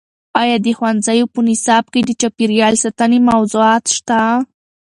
ایا د ښوونځیو په نصاب کې د چاپیریال ساتنې موضوعات شته؟